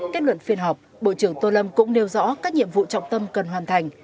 kết luận phiên họp bộ trưởng tô lâm cũng nêu rõ các nhiệm vụ trọng tâm cần hoàn thành